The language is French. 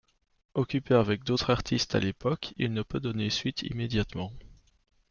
Occupé avec d'autres artistes à l'époque, il ne peut donner suite immédiatement.